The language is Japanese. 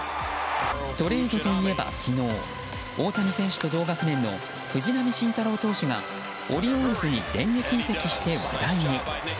トレードといえば昨日大谷選手と同学年の藤浪晋太郎投手がオリオールズに電撃移籍して話題に。